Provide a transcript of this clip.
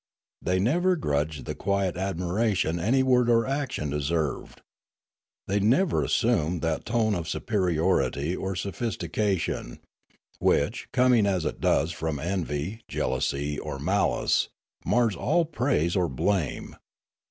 They never grudged the quiet admiration any word or action deserved. They never assumed that tone of superiority or sophistica tion, which, coming as it does from envy, jealousy, or malice, mars all praise or blame.